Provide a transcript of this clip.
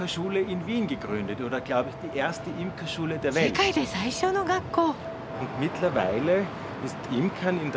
世界で最初の学校！